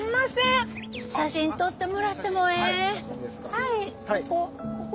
はいここ